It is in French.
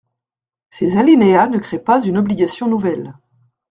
Ces alinéas ne créent pas une obligation nouvelle.